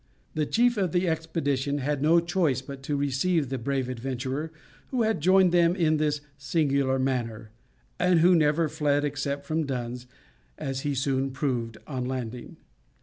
The chief of the expedition had no choice but to receive the brave adventurer who had joined him in this singular manner, and who never fled except from duns, as he soon proved on landing.